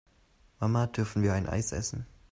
Mama, dürfen wir ein Eis essen?